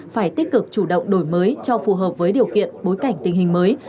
phải tích cực chủ động đổi mới cho phù hợp với điều kiện bối cảnh tình hình mới